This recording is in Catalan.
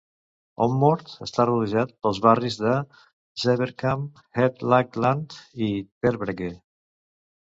Ommoord està rodejat pels barris de Zevenkamp, Het Lage Land i Terbregge.